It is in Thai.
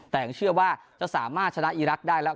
แต่ยังเชื่อว่าจะสามารถชนะอีรักษ์ได้แล้ว